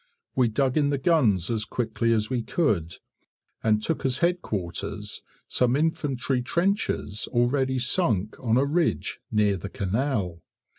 We dug in the guns as quickly as we could, and took as Headquarters some infantry trenches already sunk on a ridge near the canal.